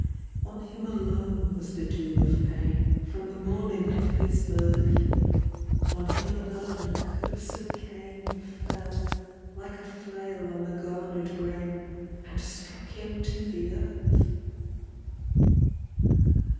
On him alone was the doom of pain, From the morning of his birth; On him alone the curse of Cain Fell, like a flail on the garnered grain, And struck him to the earth!